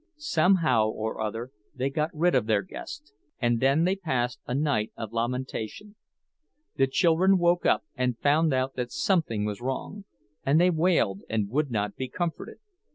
Somehow or other they got rid of their guest, and then they passed a night of lamentation. The children woke up and found out that something was wrong, and they wailed and would not be comforted.